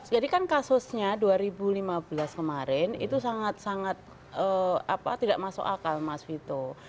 jadi kan kasusnya dua ribu lima belas kemarin itu sangat sangat tidak masuk akal mas vito